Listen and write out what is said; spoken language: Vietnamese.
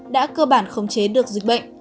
đã cơ bản khống chế được dịch bệnh